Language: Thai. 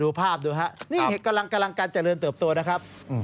ภาพดูฮะนี่กำลังการเจริญเติบโตนะครับ